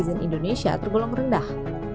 netizen indonesia tergolong rendah